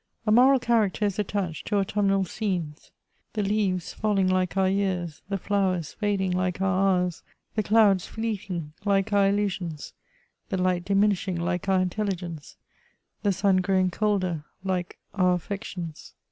A moral character is attached to autumnal scenes ; the leaves falling hke qur years, the flowers fading like our hours, the clouds fleeting like our illusions, the light diminishing like our intelligence, the sun growing colder like our our affectionSi CHATEAUBRIAND.